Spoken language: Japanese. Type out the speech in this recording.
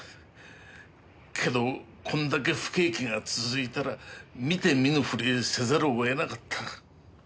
けどこんだけ不景気が続いたら見てみぬ振りせざるを得なかった。